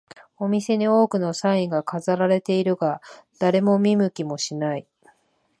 お店に多くのサインが飾られているが、誰も見向きもしない